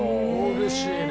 うれしいね。